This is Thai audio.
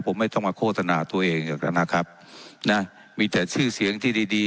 ผมไม่ต้องมาโฆษณาตัวเองหรอกนะครับนะมีแต่ชื่อเสียงที่ดีดี